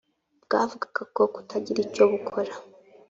Bwavugaga ko kutagira icyo bukora